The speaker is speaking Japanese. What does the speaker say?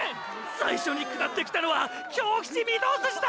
最初に下ってきたのは京伏御堂筋だ！！